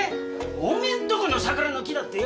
おめえんとこの桜の木だってよ